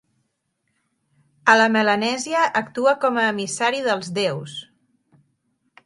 A la, Melanèsia actua com a emissari dels déus.